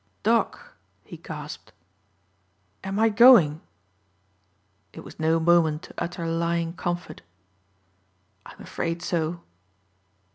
"Doc," he gasped, "am I going?" It was no moment to utter lying comfort. "I'm afraid so."